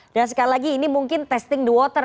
dan sekali lagi ini mungkin testing the water